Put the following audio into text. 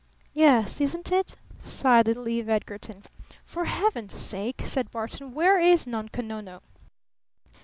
"Yes isn't it?" sighed little Eve Edgarton. "For Heaven's sake!" said Barton. "Where is Nunko Nono?"